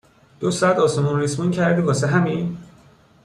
دو ساعت آسمون ریسمون کردی واسه همین؟